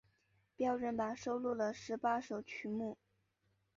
标准版收录了十八首曲目。